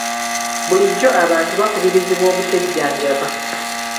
Bulijjo abantu bakubirizibwa obutejjanjaba.